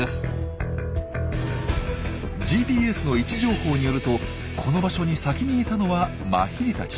ＧＰＳの位置情報によるとこの場所に先にいたのはマヒリたち。